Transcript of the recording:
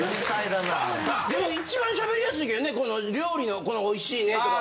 でも一番喋りやすいけどねこの料理のおいしいねとか。